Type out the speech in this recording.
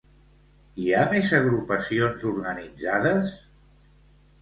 Hi ha més agrupacions organitzades?